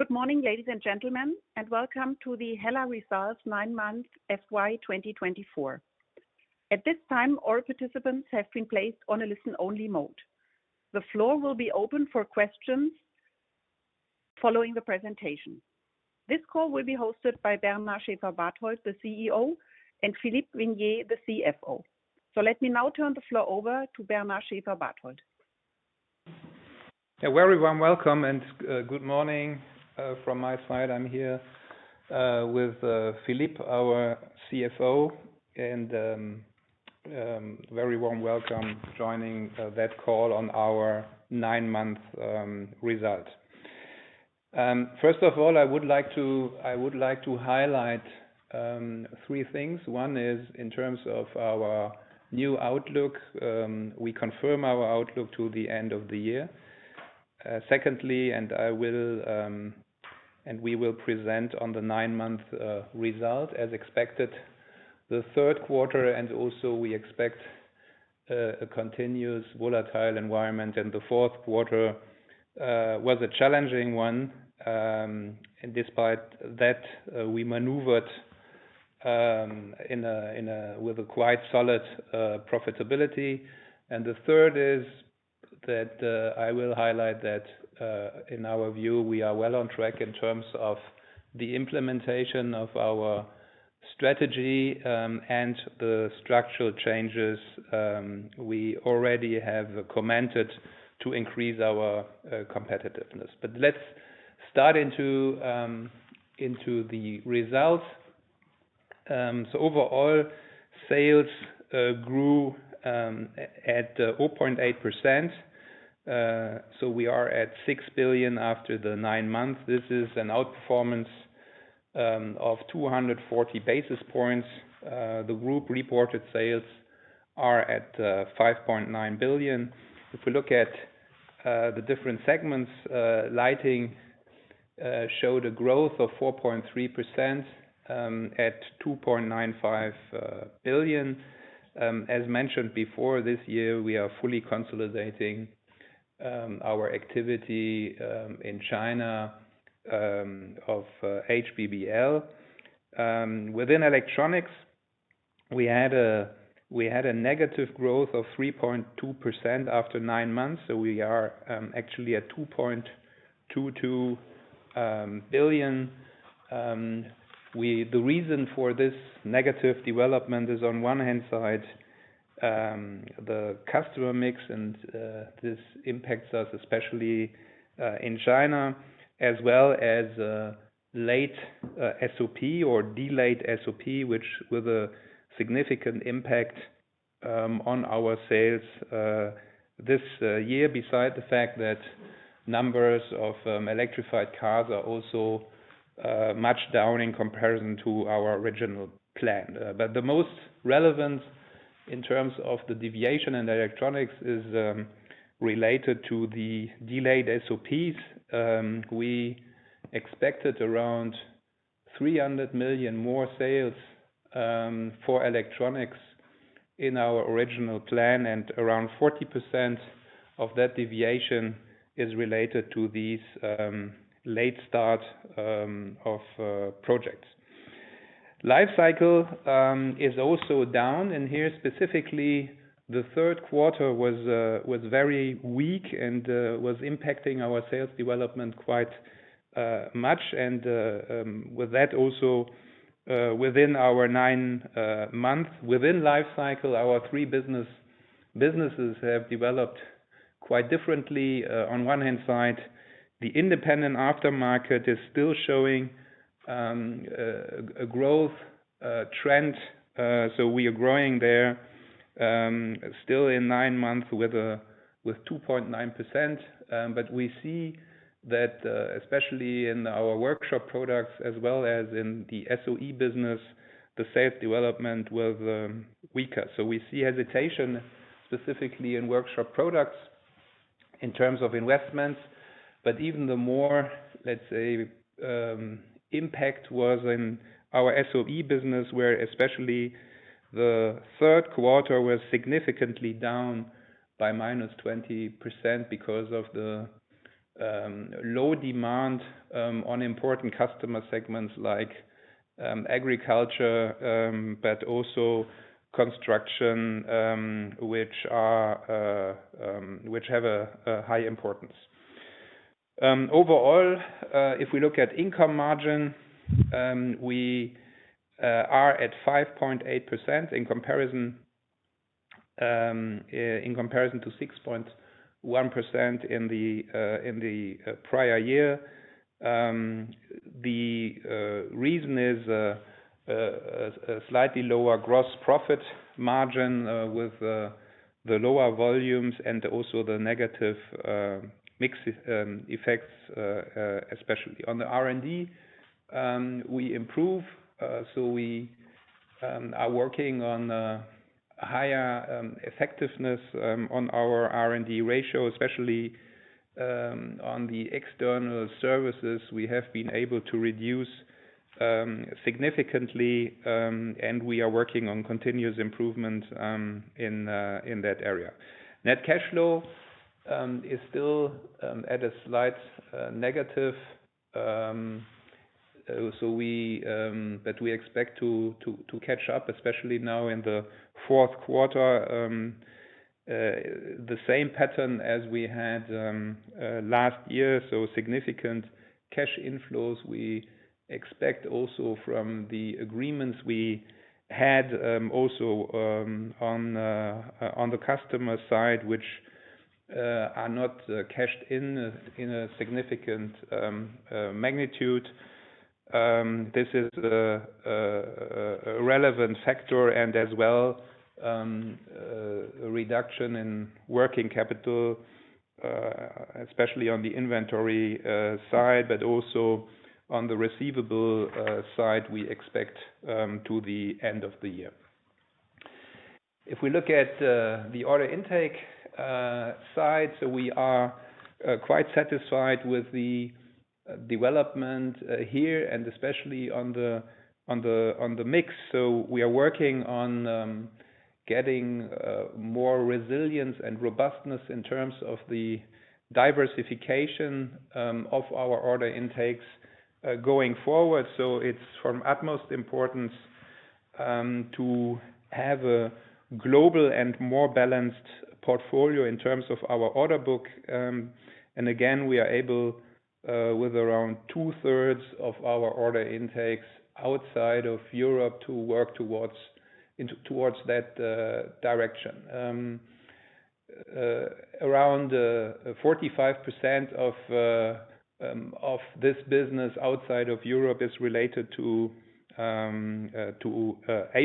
Good morning, ladies and gentlemen, and welcome to the HELLA Results 9-month FY 2024. At this time, all participants have been placed on a listen-only mode. The floor will be open for questions following the presentation. This call will be hosted by Bernard Schäferbarthold, the CEO, and Philippe Vienney, the CFO. Let me now turn the floor over to Bernard Schäferbarthold. Yeah, very warm welcome and good morning from my side. I'm here with Philippe, our CFO, and very warm welcome joining that call on our 9-month result. First of all, I would like to highlight three things. One is, in terms of our new outlook, we confirm our outlook to the end of the year. Secondly, and we will present on the 9-month result as expected, the third quarter, and also we expect a continuous volatile environment, and the fourth quarter was a challenging one, and despite that, we maneuvered with a quite solid profitability, and the third is that I will highlight that in our view, we are well on track in terms of the implementation of our strategy and the structural changes we already have commented to increase our competitiveness, but let's start into the results, so overall, sales grew at 0.8%. We are at 6 billion after the nine months. This is an outperformance of 240 basis points. The group reported sales are at 5.9 billion. If we look at the different segments, lighting showed a growth of 4.3% at 2.95 billion. As mentioned before, this year we are fully consolidating our activity in China of HBBL. Within electronics, we had a negative growth of 3.2% after nine months. So we are actually at 2.22 billion. The reason for this negative development is, on one hand side, the customer mix, and this impacts us especially in China, as well as late SOP or delayed SOP, which with a significant impact on our sales this year, beside the fact that numbers of electrified cars are also much down in comparison to our original plan. But the most relevant in terms of the deviation in electronics is related to the delayed SOPs. We expected around 300 million more sales for electronics in our original plan, and around 40% of that deviation is related to these late start of projects. Life cycle is also down, and here specifically the third quarter was very weak and was impacting our sales development quite much, and with that also, within our nine months, within life cycle, our three businesses have developed quite differently. On one hand side, the independent aftermarket is still showing a growth trend, so we are growing there still in nine months with 2.9%, but we see that especially in our workshop products as well as in the SOE business, the sales development was weaker, so we see hesitation specifically in workshop products in terms of investments. Even the more, let's say, impact was in our SOE business, where especially the third quarter was significantly down by -20% because of the low demand on important customer segments like agriculture, but also construction, which have a high importance. Overall, if we look at income margin, we are at 5.8% in comparison to 6.1% in the prior year. The reason is a slightly lower gross profit margin with the lower volumes and also the negative mix effects, especially on the R&D. We improve, so we are working on a higher effectiveness on our R&D ratio, especially on the external services. We have been able to reduce significantly, and we are working on continuous improvement in that area. Net cash flow is still at a slight negative, but we expect to catch up, especially now in the fourth quarter, the same pattern as we had last year. Significant cash inflows we expect also from the agreements we had also on the customer side, which are not cashed in in a significant magnitude. This is a relevant factor and as well a reduction in working capital, especially on the inventory side, but also on the receivable side we expect to the end of the year. If we look at the order intake side, so we are quite satisfied with the development here and especially on the mix. We are working on getting more resilience and robustness in terms of the diversification of our order intakes going forward. It's from utmost importance to have a global and more balanced portfolio in terms of our order book. Again, we are able with around two-thirds of our order intakes outside of Europe to work towards that direction. Around 45% of this business outside of Europe is related to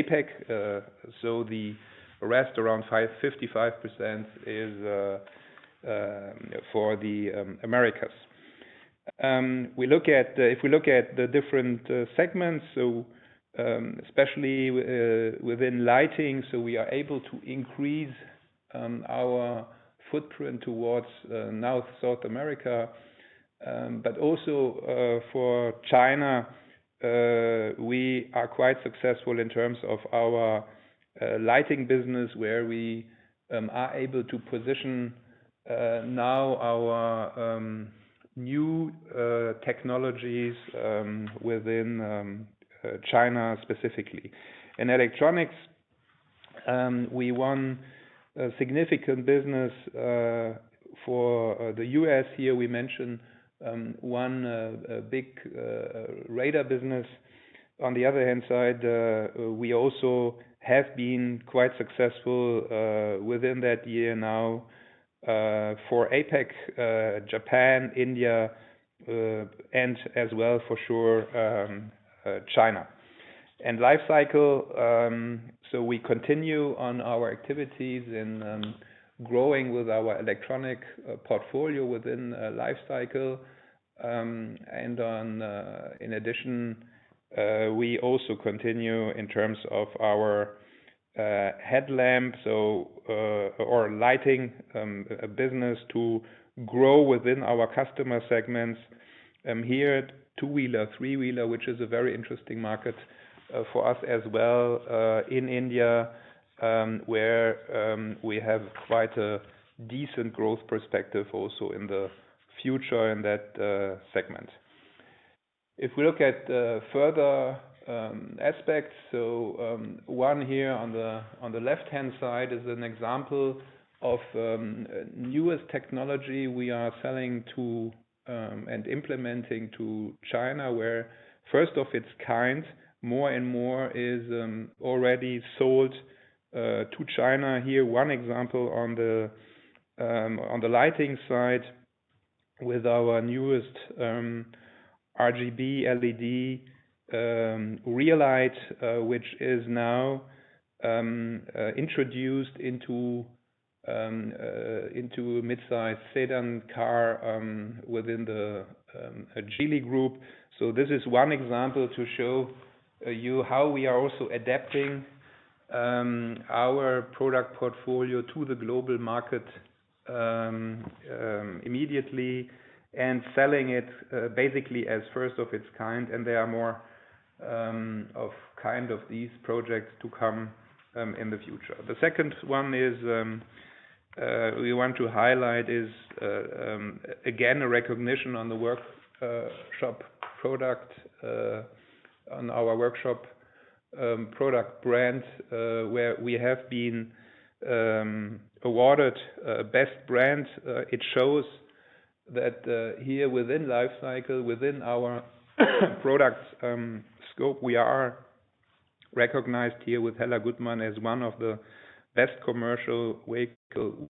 APEC. The rest, around 55%, is for the Americas. If we look at the different segments, so especially within Lighting, so we are able to increase our footprint towards South America. Also for China, we are quite successful in terms of our lighting business, where we are able to position now our new technologies within China specifically. In Electronics, we won a significant business for the U.S. here. We mentioned one big radar business. On the other hand side, we also have been quite successful within that year now for APEC, Japan, India, and as well for sure China. And Life Cycle, so we continue on our activities in growing with our electronic portfolio within Life Cycle. in addition, we also continue in terms of our headlamp or lighting business to grow within our customer segments. Here at two-wheeler, three-wheeler, which is a very interesting market for us as well in India, where we have quite a decent growth perspective also in the future in that segment. If we look at further aspects, so one here on the left-hand side is an example of newest technology we are selling to and implementing to China, where first of its kind more and more is already sold to China. Here one example on the lighting side with our newest RGB LED rear light, which is now introduced into midsize sedan car within the Geely group. So this is one example to show you how we are also adapting our product portfolio to the global market immediately and selling it basically as first of its kind. there are more of these projects to come in the future. The second one we want to highlight is again a recognition on the workshop product on our workshop product brand, where we have been awarded best brand. It shows that here within life cycle, within our product scope, we are recognized here with HELLA Guttmann as one of the best commercial vehicle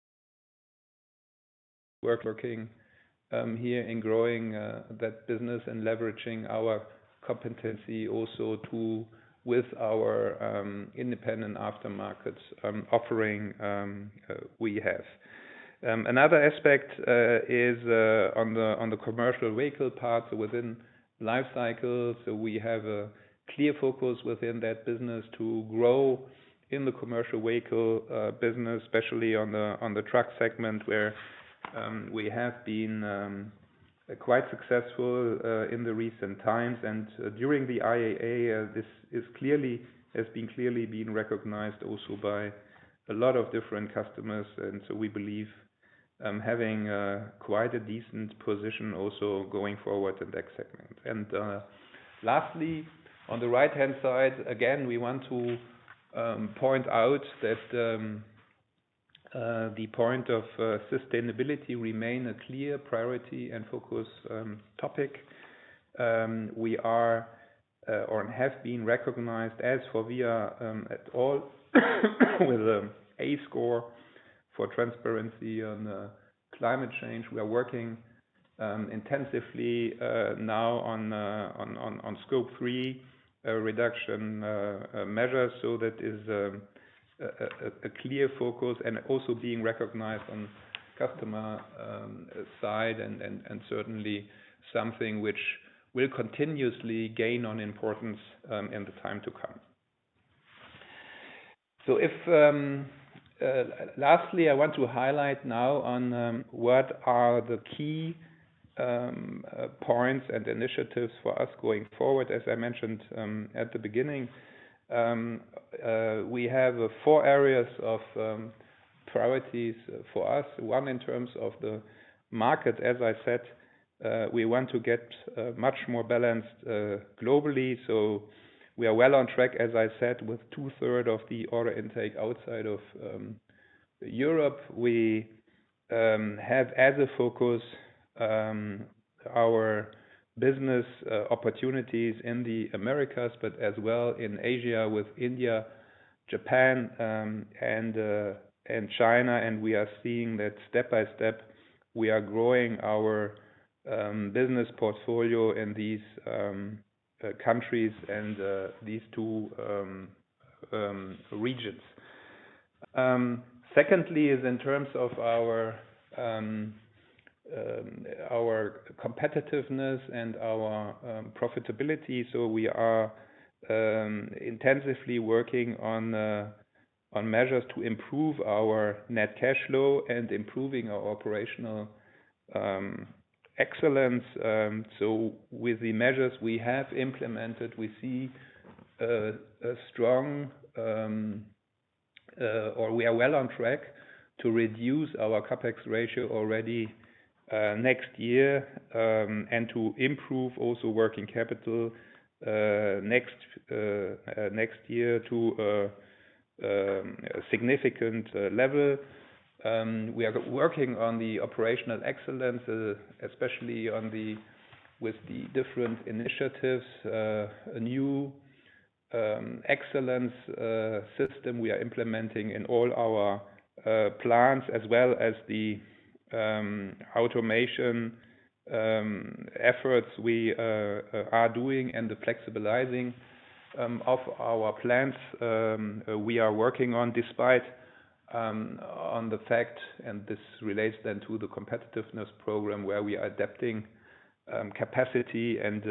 workshops here in growing that business and leveraging our competency also with our independent aftermarket offering we have. Another aspect is on the commercial vehicle part within life cycle. We have a clear focus within that business to grow in the commercial vehicle business, especially on the truck segment, where we have been quite successful in the recent times. During the IAA, this has clearly been recognized also by a lot of different customers. We believe having quite a decent position also going forward in that segment. Lastly, on the right-hand side, again, we want to point out that the topic of sustainability remains a clear priority and focus topic. We are, or have been, recognized by FORVIA overall with an A score for transparency on climate change. We are working intensively now on Scope 3 reduction measures. That is a clear focus and also being recognized on customer side and certainly something which will continuously gain on importance in the time to come. Lastly, I want to highlight now on what are the key points and initiatives for us going forward. As I mentioned at the beginning, we have four areas of priorities for us. One in terms of the market, as I said, we want to get much more balanced globally. We are well on track, as I said, with two-thirds of the order intake outside of Europe. We have as a focus our business opportunities in the Americas, but as well in Asia with India, Japan, and China. We are seeing that step by step we are growing our business portfolio in these countries and these two regions. Secondly is in terms of our competitiveness and our profitability. We are intensively working on measures to improve our net cash flow and improving our operational excellence. With the measures we have implemented, we see a strong or we are well on track to reduce our CAPEX ratio already next year and to improve also working capital next year to a significant level. We are working on the operational excellence, especially with the different initiatives, a new excellence system we are implementing in all our plants as well as the automation efforts we are doing and the flexibilizing of our plants we are working on despite the fact and this relates then to the competitiveness program where we are adapting capacity and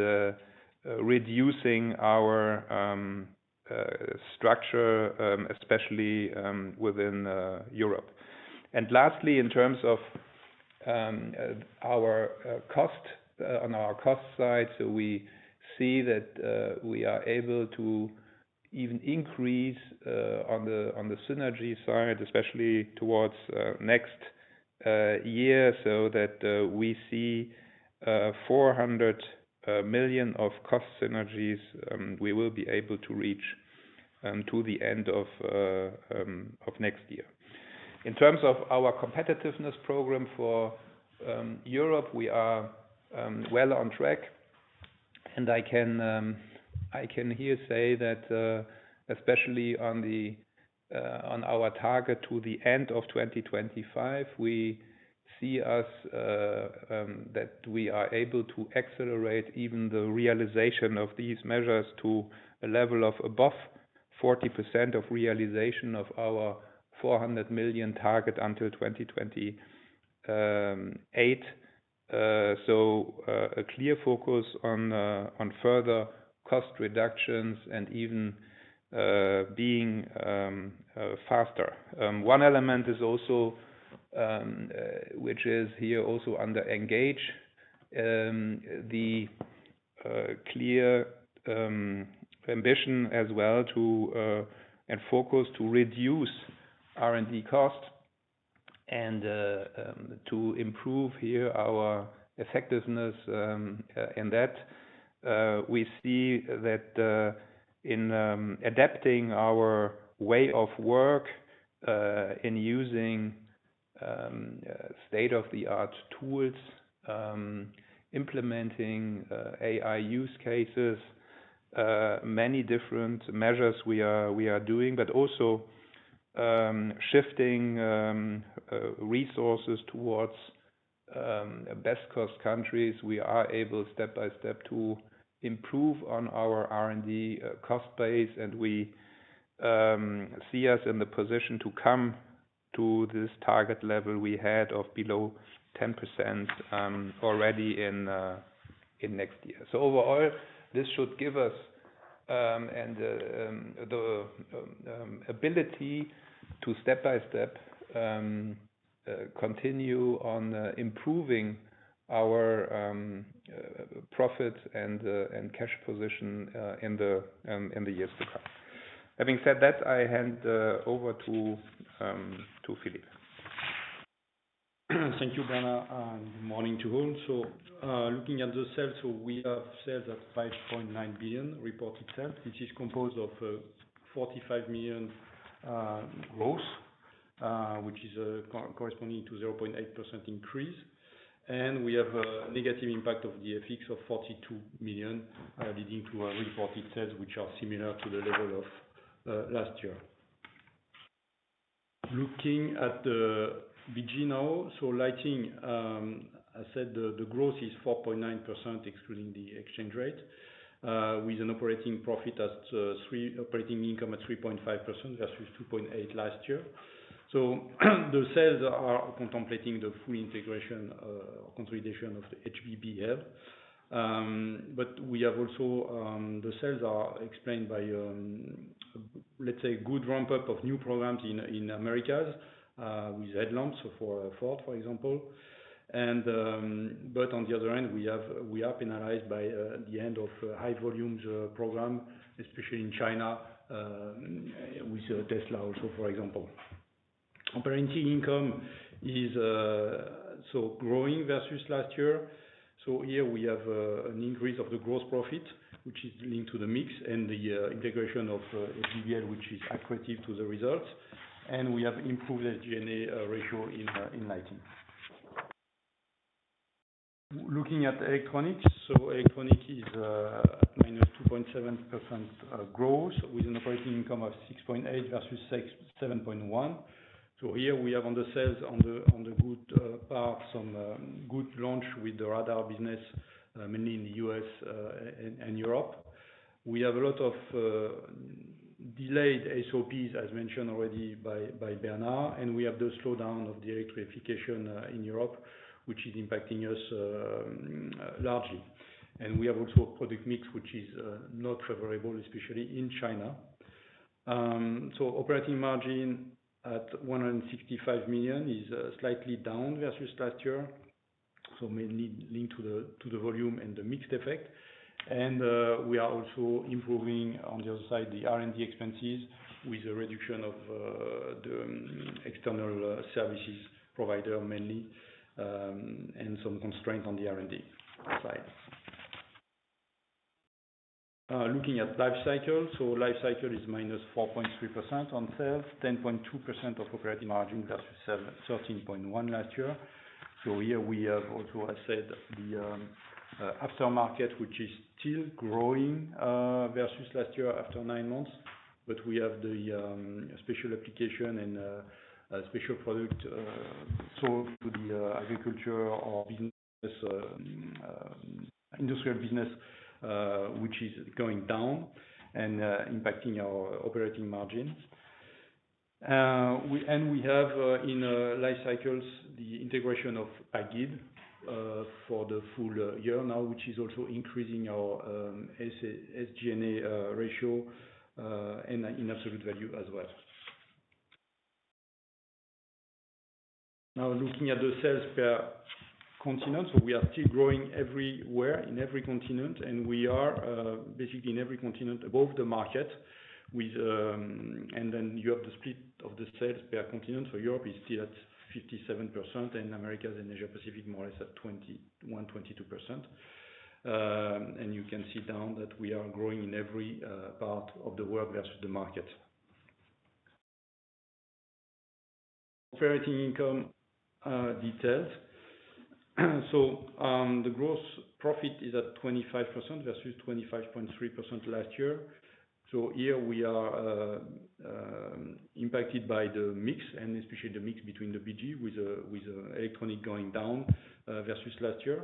reducing our structure, especially within Europe. Lastly, in terms of our cost on our cost side, so we see that we are able to even increase on the synergy side, especially towards next year, so that we see 400 million of cost synergies we will be able to reach to the end of next year. In terms of our competitiveness program for Europe, we are well on track. I can here say that especially on our target to the end of 2025, we see that we are able to accelerate even the realization of these measures to a level of above 40% of realization of our 400 million target until 2028. So a clear focus on further cost reductions and even being faster. One element is also, which is here also underway, the clear ambition as well and focus to reduce R&D cost and to improve here our effectiveness in that we see that in adapting our way of work in using state-of-the-art tools, implementing AI use cases, many different measures we are doing, but also shifting resources towards best cost countries, we are able step by step to improve on our R&D cost base. We see ourselves in the position to come to this target level we had of below 10% already in next year. Overall, this should give us the ability to step by step continue on improving our profit and cash position in the years to come. Having said that, I hand over to Philippe. Thank you, Bernard. Good morning to all. Looking at the sales, we have sales at 5.9 billion reported sales. This is composed of 45 million gross, which is corresponding to 0.8% increase. We have a negative impact of the FX of 42 million leading to reported sales, which are similar to the level of last year. Looking at the BG now, lighting, I said the gross is 4.9% excluding the exchange rate with an operating profit at operating income at 3.5% versus 2.8% last year. The sales are contemplating the full integration or consolidation of the HBBL. We have also the sales are explained by, let's say, good ramp-up of new programs in Americas with headlamps for Ford, for example. On the other hand, we are penalized by the end of high volumes program, especially in China with Tesla also, for example. Operating income is so growing versus last year. Here we have an increase of the gross profit, which is linked to the mix and the integration of HBBL, which is according to the results. we have improved SG&A ratio in lighting. Looking at electronics, so electronic is at minus 2.7% gross with an operating income of 6.8% versus 7.1%. Here we have on the sales on the good part some good launch with the radar business mainly in the U.S. and Europe. We have a lot of delayed SOPs, as mentioned already by Bernard. we have the slowdown of the electrification in Europe, which is impacting us largely. we have also product mix, which is not favorable, especially in China. Operating margin at 165 million is slightly down versus last year. Mainly linked to the volume and the mixed effect. And we are also improving on the other side, the R&D expenses with a reduction of the external services provider mainly and some constraint on the R&D side. Looking at Life Cycle, so Life Cycle is minus 4.3% on sales, 10.2% of operating margin versus 13.1% last year. Here we have also, I said, the aftermarket, which is still growing versus last year after nine months. We have the special application and special product sold to the agriculture or industrial business, which is going down and impacting our operating margins. we have in life cycles the integration of Pagid for the full year now, which is also increasing our SG&A ratio and in absolute value as well. Now looking at the sales per continent, so we are still growing everywhere in every continent. We are basically in every continent above the market. then you have the split of the sales per continent. Europe is still at 57% and Americas and Asia Pacific more or less at 21-22%. You can see down that we are growing in every part of the world versus the market. Operating income details. The gross profit is at 25% versus 25.3% last year. Here we are impacted by the mix and especially the mix between the BG with Electronics going down versus last year.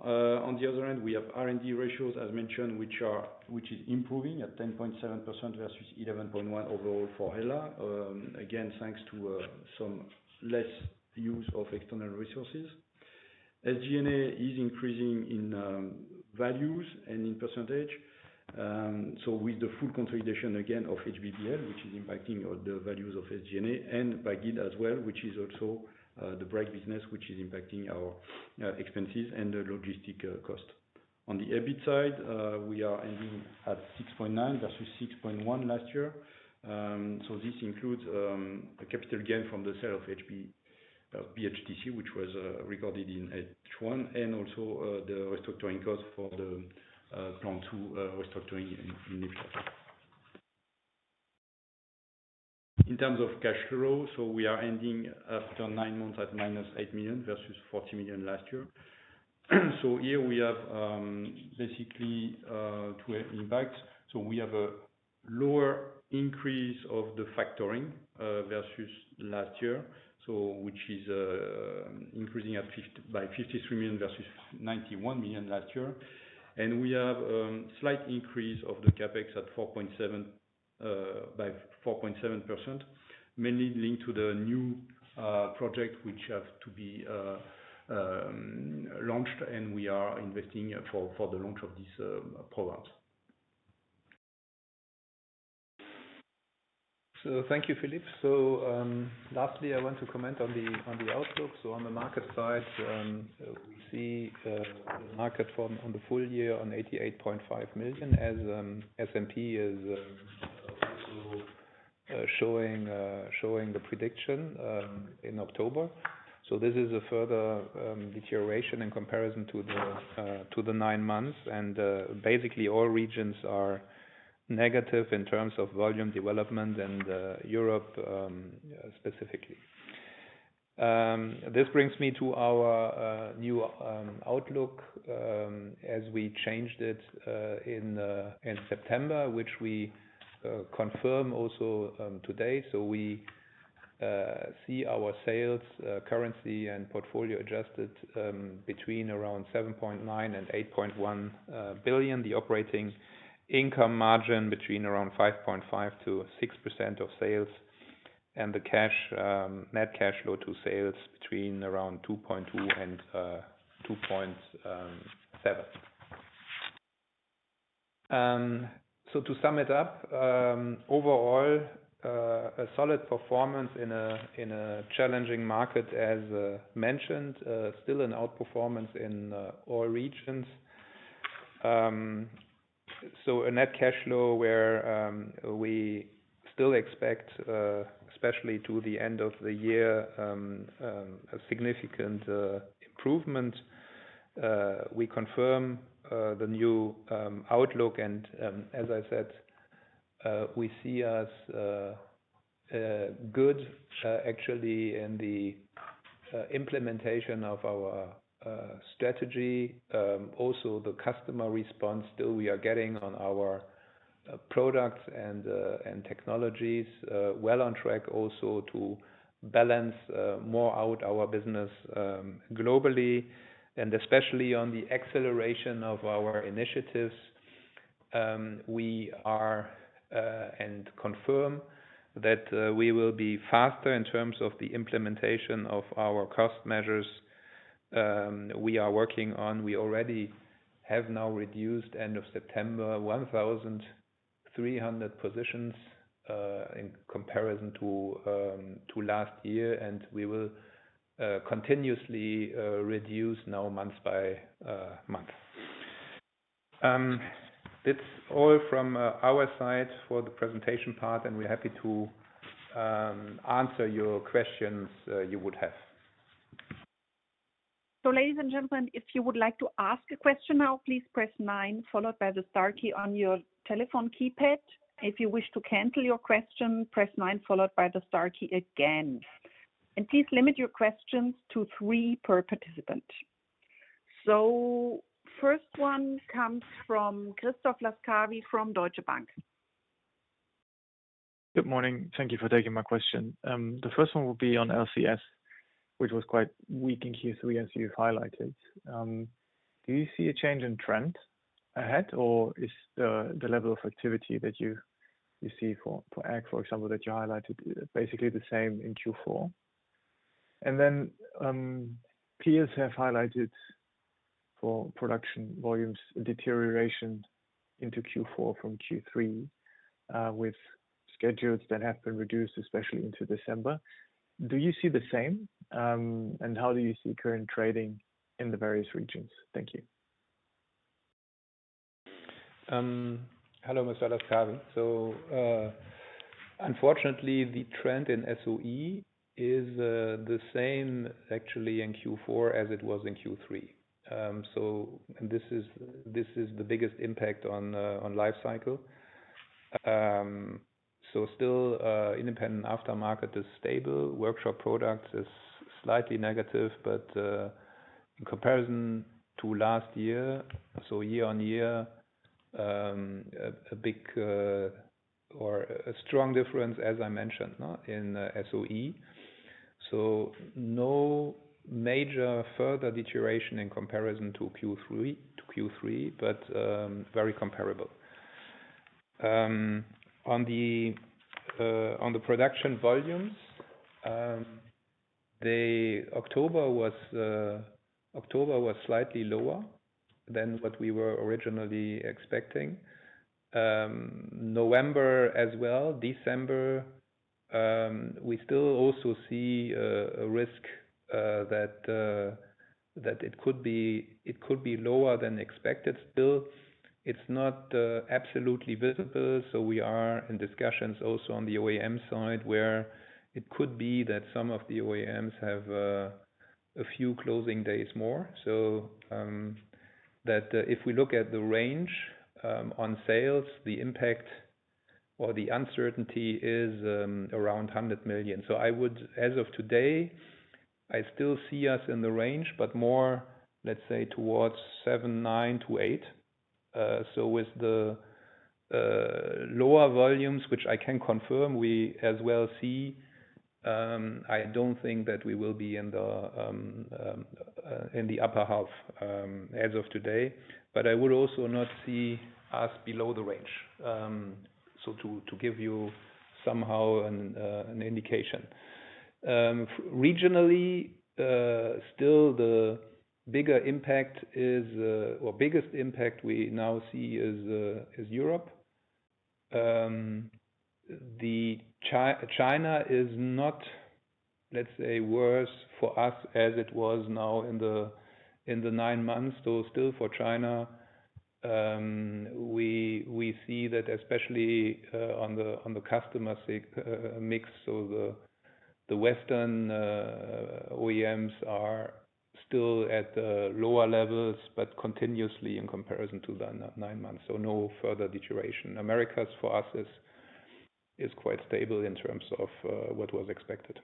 On the other hand, we have R&D ratios, as mentioned, which is improving at 10.7% versus 11.1% overall for HELLA. Again, thanks to some less use of external resources. SG&A is increasing in values and in percentage. With the full consolidation again of HBBL, which is impacting the values of SG&A and Pagid as well, which is also the BREG business, which is impacting our expenses and the logistic cost. On the EBIT side, we are ending at 6.9% versus 6.1% last year. So this includes capital gain from the sale of BHTC, which was recorded in H1, and also the restructuring cost for the plan to restructuring in H1. In terms of cash flow, we are ending after nine months at -8 million versus 40 million last year. Here we have basically two impacts. We have a lower increase of the factoring versus last year, which is increasing by 53 million versus 91 million last year. we have a slight increase of the CapEx at 4.7%, mainly linked to the new project which have to be launched. we are investing for the launch of these programs. Thank you, Philippe. Lastly, I want to comment on the outlook. On the market side, we see the market for the full year on 88.5 million as S&P is also showing the prediction in October. This is a further deterioration in comparison to the nine months. Basically, all regions are negative in terms of volume development and Europe specifically. This brings me to our new outlook as we changed it in September, which we confirm also today. We see our sales currently and portfolio adjusted between around 7.9 billion and 8.1 billion. The operating income margin between around 5.5% to 6% of sales and the net cash flow to sales between around 2.2% and 2.7%. To sum it up, overall, a solid performance in a challenging market, as mentioned, still an outperformance in all regions. A net cash flow where we still expect, especially to the end of the year, a significant improvement. We confirm the new outlook. As I said, we see as good actually in the implementation of our strategy. Also, the customer response still we are getting on our products and technologies well on track also to balance more out our business globally. Especially on the acceleration of our initiatives, we are and confirm that we will be faster in terms of the implementation of our cost measures we are working on. We already have now reduced end of September 1,300 positions in comparison to last year. We will continuously reduce now month by month. That's all from our side for the presentation part. We're happy to answer your questions you would have. Ladies and gentlemen, if you would like to ask a question now, please press 9 followed by the star key on your telephone keypad. If you wish to cancel your question, press 9 followed by the star key again. please limit your questions to three per participant. First one comes from Christoph Laskawi from Deutsche Bank. Good morning. Thank you for taking my question. The first one will be on LCS, which was quite weak in Q3, as you've highlighted. Do you see a change in trend ahead, or is the level of activity that you see for Ag, for example, that you highlighted basically the same in Q4? then peers have highlighted for production volumes deterioration into Q4 from Q3 with schedules that have been reduced, especially into December. Do you see the same? How do you see current trading in the various regions? Thank you. Hello, Mr. Laskawi. Unfortunately, the trend in SOE is the same actually in Q4 as it was in Q3. So this is the biggest impact on life cycle. Still, independent aftermarket is stable. Workshop products is slightly negative, but in comparison to last year, so year on year, a big or a strong difference, as I mentioned, in SOE. So no major further deterioration in comparison to Q3, but very comparable. On the production volumes, October was slightly lower than what we were originally expecting. November as well. December, we still also see a risk that it could be lower than expected. Still, it's not absolutely visible. We are in discussions also on the OEM side where it could be that some of the OEMs have a few closing days more. That if we look at the range on sales, the impact or the uncertainty is around 100 million. I would, as of today, I still see us in the range, but more, let's say, towards 7.9-8. So with the lower volumes, which I can confirm we as well see, I don't think that we will be in the upper half as of today. I would also not see us below the range. To give you somehow an indication. Regionally, still the bigger impact is or biggest impact we now see is Europe. China is not, let's say, worse for us as it was now in the nine months. Still for China, we see that especially on the customer mix. The Western OEMs are still at the lower levels, but continuously in comparison to the nine months. No further deterioration. Americas for us is quite stable in terms of what was expected.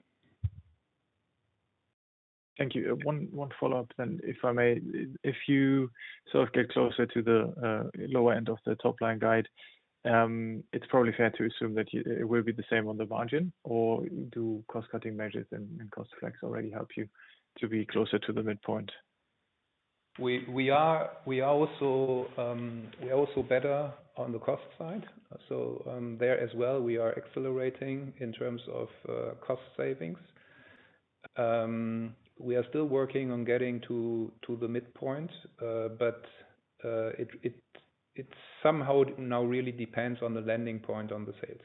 Thank you. One follow-up then, if I may. If you sort of get closer to the lower end of the top line guide, it's probably fair to assume that it will be the same on the margin. Or do cost-cutting measures and cost flex already help you to be closer to the midpoint? We are also better on the cost side. There as well, we are accelerating in terms of cost savings. We are still working on getting to the midpoint, but it somehow now really depends on the landing point on the sales.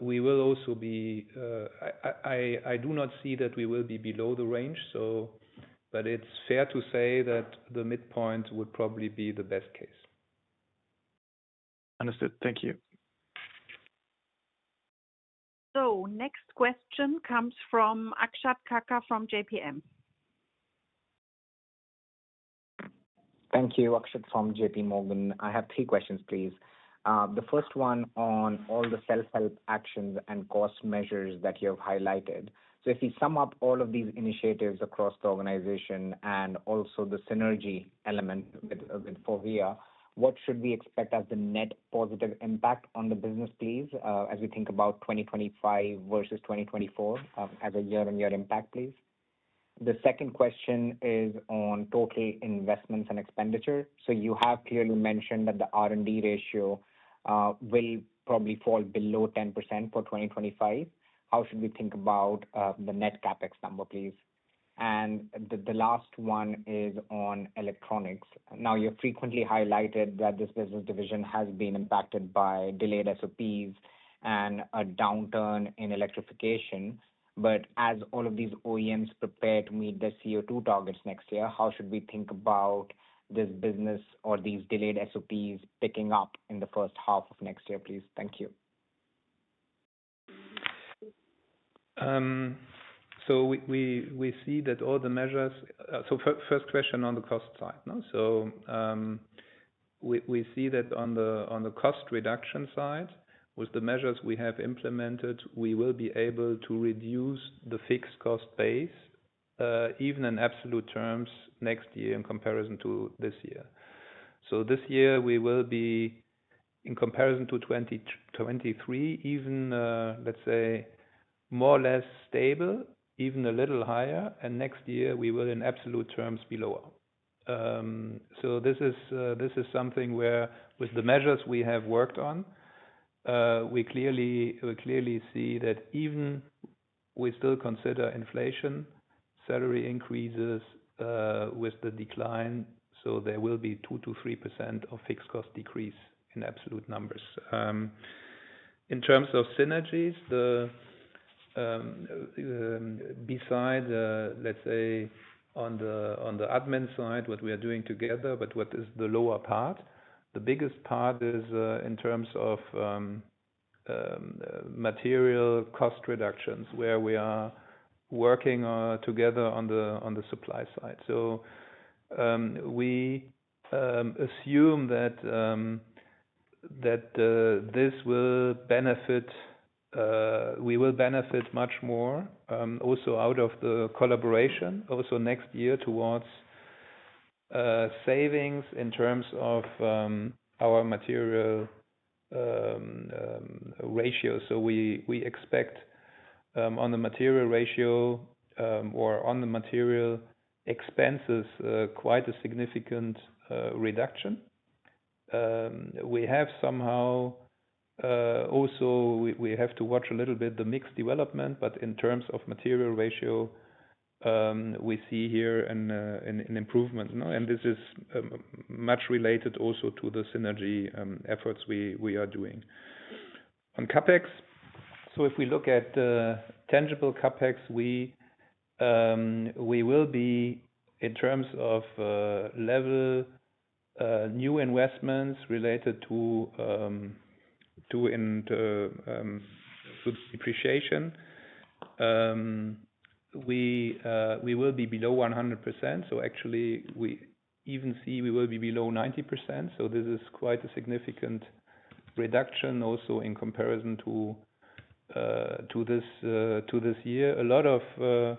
We will also be. I do not see that we will be below the range. it's fair to say that the midpoint would probably be the best case. Understood. Thank you. Next question comes from Akshat Kakkar from JPM. Thank you, Akshat from J.P. Morgan. I have three questions, please. The first one on all the self-help actions and cost measures that you have highlighted, so if we sum up all of these initiatives across the organization and also the synergy element with FORVIA, what should we expect as the net positive impact on the business, please, as we think about 2025 versus 2024 as a year-on-year impact, please? The second question is on total investments and expenditure, so you have clearly mentioned that the R&D ratio will probably fall below 10% for 2025. How should we think about the net CAPEX number, please? The last one is on electronics. Now, you have frequently highlighted that this business division has been impacted by delayed SOPs and a downturn in electrification. As all of these OEMs prepare to meet their CO2 targets next year, how should we think about this business or these delayed SOPs picking up in the first half of next year, please? Thank you. We see that all the measures, so first question on the cost side. We see that on the cost reduction side, with the measures we have implemented, we will be able to reduce the fixed cost base even in absolute terms next year in comparison to this year. This year, we will be in comparison to 2023, even, let's say, more or less stable, even a little higher. Next year, we will in absolute terms be lower. This is something where with the measures we have worked on, we clearly see that even we still consider inflation, salary increases with the decline. There will be 2%-3% of fixed cost decrease in absolute numbers. In terms of synergies, besides, let's say, on the admin side, what we are doing together, but what is the lower part, the biggest part is in terms of material cost reductions where we are working together on the supply side. We assume that we will benefit much more also out of the collaboration also next year towards savings in terms of our material ratio. So we expect on the material ratio or on the material expenses quite a significant reduction. We somehow have to watch a little bit the mix development, but in terms of material ratio, we see here an improvement. This is much related also to the synergy efforts we are doing. On CapEx, so if we look at tangible CapEx, we will be in terms of level new investments related to depreciation, we will be below 100%. Actually, we even see we will be below 90%. This is quite a significant reduction also in comparison to this year. A lot of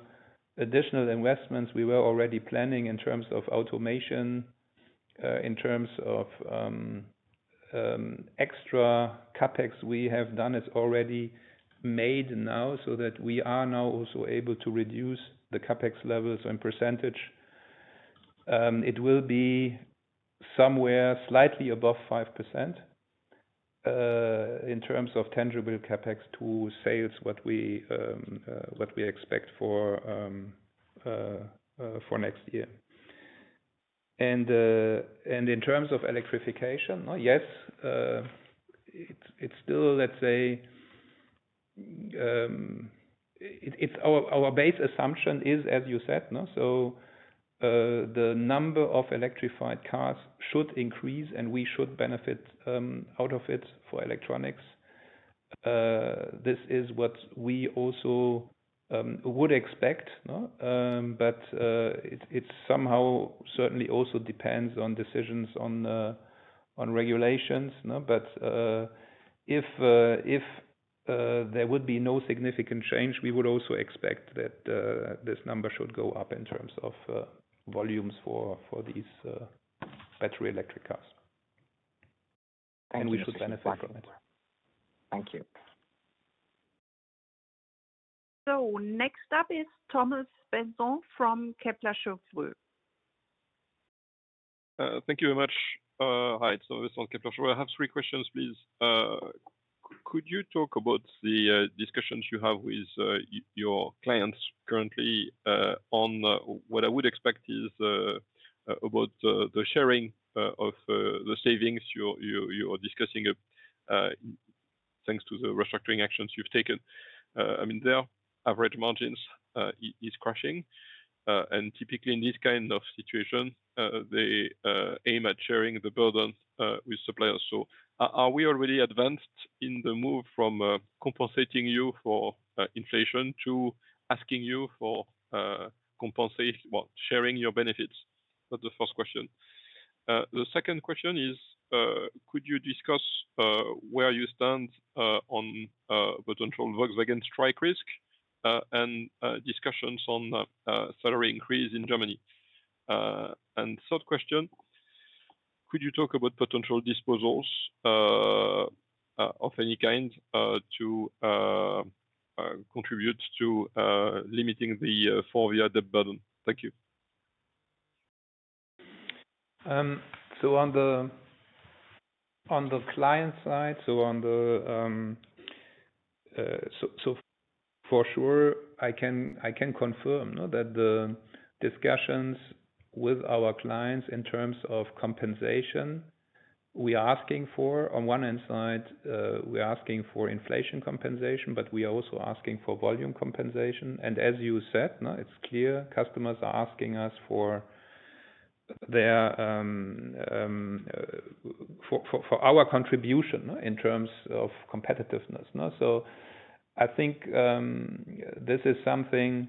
additional investments we were already planning in terms of automation, in terms of extra CAPEX we have done is already made now so that we are now also able to reduce the CAPEX levels in percentage. It will be somewhere slightly above 5% in terms of tangible CAPEX to sales what we expect for next year. In terms of electrification, yes, it's still, let's say, our base assumption is, as you said, so the number of electrified cars should increase and we should benefit out of it for electronics. This is what we also would expect. it somehow certainly also depends on decisions on regulations. If there would be no significant change, we would also expect that this number should go up in terms of volumes for these battery electric cars. We should benefit from it. Next up is Thomas Besson from Kepler Cheuvreux. Thank you very much, Heidt. I have three questions, please. Could you talk about the discussions you have with your clients currently on what I would expect is about the sharing of the savings you are discussing thanks to the restructuring actions you've taken? I mean, their average margins is crushing. typically in thissituation, they aim at sharing the burden with suppliers. are we already advanced in the move from compensating you for inflation to asking you for compensation, well, sharing your benefits? That's the first question. The second question is, could you discuss where you stand on potential Volkswagen strike risk and discussions on salary increase in Germany? Third question, could you talk about potential disposals of any kind to contribute to limiting the FORVIA debt burden? Thank you. On the client side, so for sure, I can confirm that the discussions with our clients in terms of compensation, we are asking for on one hand side, we are asking for inflation compensation, but we are also asking for volume compensation. As you said, it's clear customers are asking us for our contribution in terms of competitiveness. I think this is something,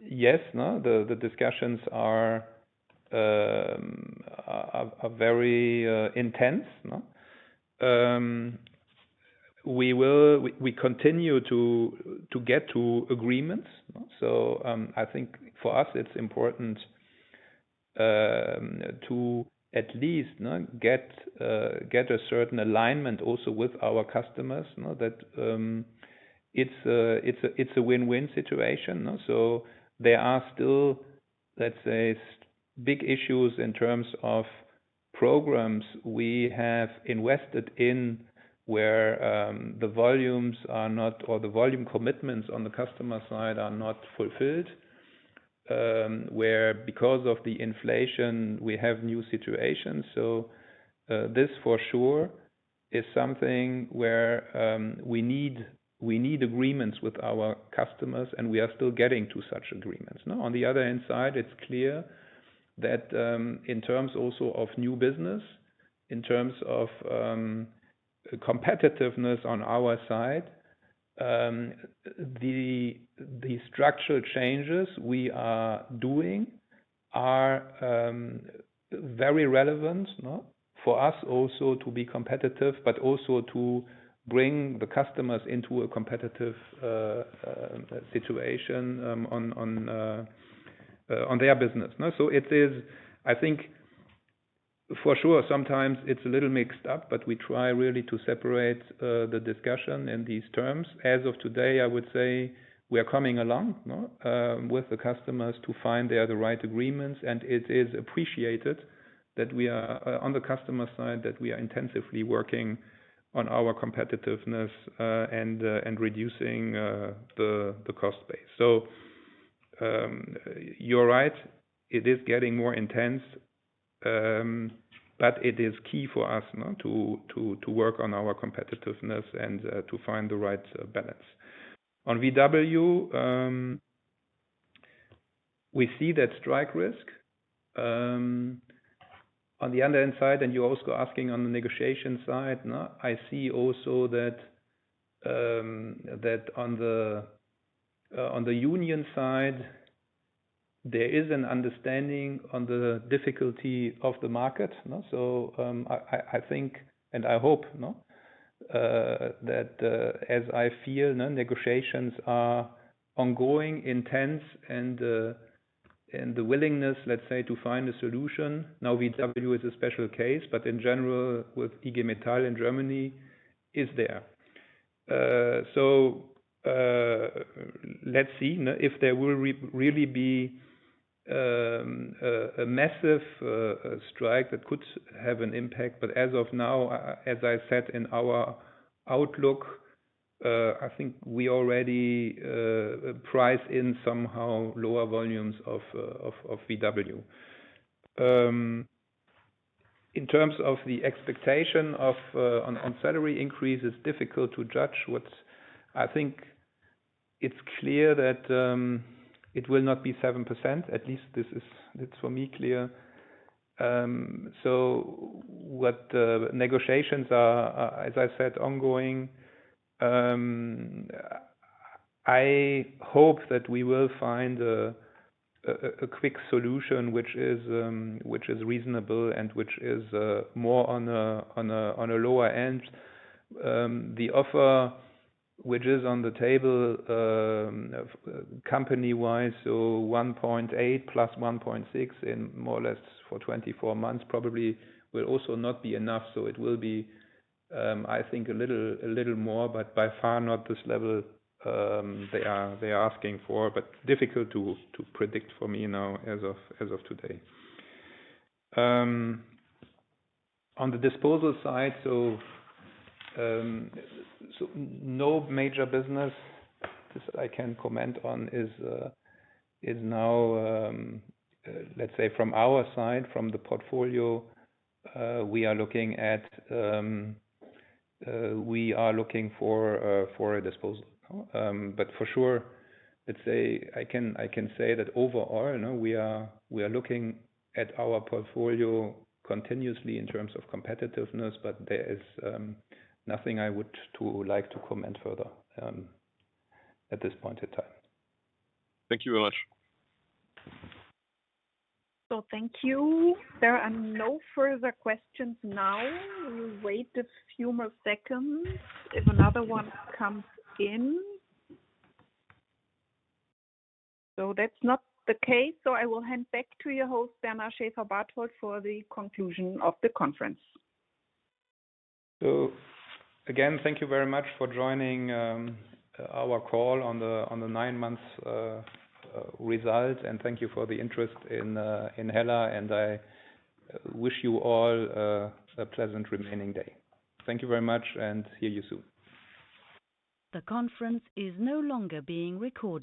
yes, the discussions are very intense. We continue to get to agreements. I think for us, it's important to at least get a certain alignment also with our customers that it's a win-win situation. There are still, let's say, big issues in terms of programs we have invested in where the volumes are not or the volume commitments on the customer side are not fulfilled, where because of the inflation, we have new situations. This for sure is something where we need agreements with our customers and we are still getting to such agreements. On the other hand side, it's clear that in terms also of new business, in terms of competitiveness on our side, the structural changes we are doing are very relevant for us also to be competitive, but also to bring the customers into a competitive situation on their business. It is, I think, for sure, sometimes it's a little mixed up, but we try really to separate the discussion in these terms. As of today, I would say we are coming along with the customers to find there the right agreements, and it is appreciated that we are on the customer side that we are intensively working on our competitiveness and reducing the cost base. You're right, it is getting more intense, but it is key for us to work on our competitiveness and to find the right balance. On VW, we see that strike risk. On the other hand side, and you're also asking on the negotiation side, I see also that on the union side, there is an understanding on the difficulty of the market. I think and I hope that as I feel negotiations are ongoing, intense, and the willingness, let's say, to find a solution. Now, VW is a special case, but in general, with IG Metall in Germany is there. Let's see if there will really be a massive strike that could have an impact. As of now, as I said in our outlook, I think we already price in somehow lower volumes of VW. In terms of the expectation on salary increase, it's difficult to judge. I think it's clear that it will not be 7%. At least this is for me clear. So what the negotiations are, as I said, ongoing. I hope that we will find a quick solution which is reasonable and which is more on a lower end. The offer, which is on the table company-wise, so 1.8 plus 1.6 in more or less for 24 months probably will also not be enough. It will be, I think, a little more, but by far not this level they are asking for, but difficult to predict for me now as of today. On the disposal side, so no major business I can comment on is now, let's say, from our side, from the portfolio, we are looking for a disposal. For sure, let's say I can say that overall, we are looking at our portfolio continuously in terms of competitiveness, but there is nothing I would like to comment further at this point in time. Thank you very much. Thank you. There are no further questions now. We'll wait a few more seconds if another one comes in. That's not the case. I will hand back to your host, Bernard Schäferbarthold, for the conclusion of the conference. Again, thank you very much for joining our call on the nine-month result. Thank you for the interest in HELLA. I wish you all a pleasant remaining day. Thank you very much, and see you soon. The conference is no longer being recorded.